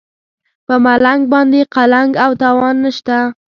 په ملنګ باندې قلنګ او تاوان نشته.